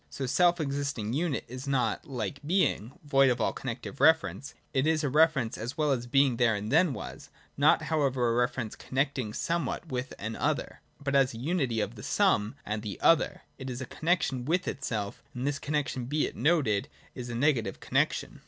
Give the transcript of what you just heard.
The self existing unit is not, like Being, void of all connective reference : it is a reference, as well as Being there and then was, not however a reference connecting somewhat with an other, but, as unity of the some and the other, it is a connexion with itself, and this connexion be it noted is a negative connexion.